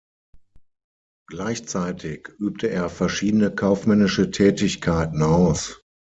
Gleichzeitig übte er verschiedene kaufmännische Tätigkeiten aus.